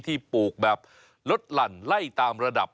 ปลูกแบบลดหลั่นไล่ตามระดับ